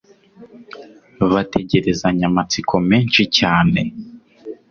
Bategerezanya amatsiko menshi cyane